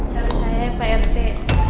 caranya saya pak rete